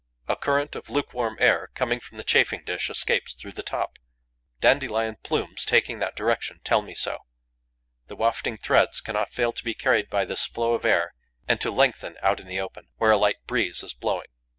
A current of lukewarm air, coming from the chafing dish, escapes through the top. Dandelion plumes, taking that direction, tell me so. The wafting threads cannot fail to be carried by this flow of air and to lengthen out in the open, where a light breeze is blowing.